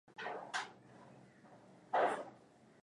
pokuwa wao kwa mfano nchi zinazofaidi sana nile